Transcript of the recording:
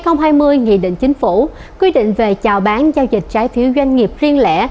nghị định chính phủ quy định về trào bán giao dịch trái phiếu doanh nghiệp riêng lẻ